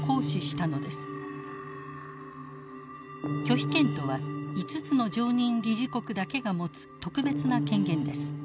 拒否権とは５つの常任理事国だけが持つ特別な権限です。